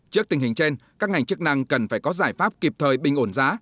trước tình hình trên các ngành chức năng cần phải có giải pháp kịp thời bình ổn giá